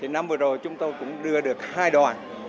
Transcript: năm vừa rồi chúng tôi cũng đưa được hai đoàn